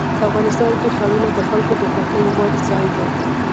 افغانستان کې ښارونه د خلکو د خوښې وړ ځای دی.